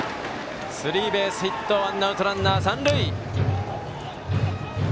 スリーベースヒットワンアウト、ランナー、三塁。